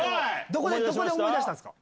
どこで思い出したんすか？